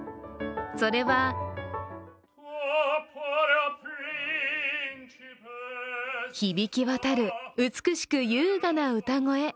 それは響きわたる美しく優雅な歌声。